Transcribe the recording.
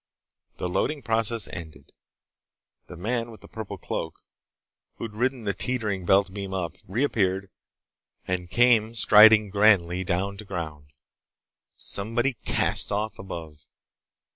The loading process ended. The man with the purple cloak, who'd ridden the teetering belt beam up, reappeared and came striding grandly down to ground. Somebody cast off, above.